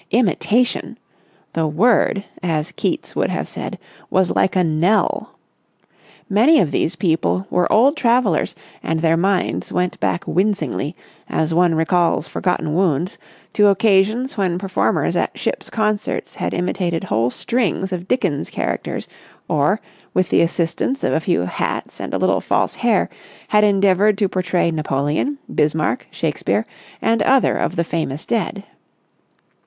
Imitation...! The word, as Keats would have said, was like a knell! Many of these people were old travellers and their minds went back wincingly, as one recalls forgotten wounds, to occasions when performers at ships' concerts had imitated whole strings of Dickens' characters or, with the assistance of a few hats and a little false hair, had endeavoured to portray Napoleon, Bismarck, Shakespeare, and other of the famous dead.